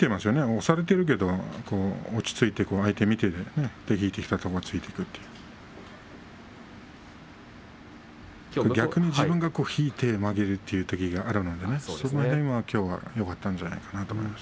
押されていますが落ち着いて相手を見て引いてきたところを突いていく逆に自分が引いて負けるというときがあるのでそこの辺りはきょうはよかったと思います。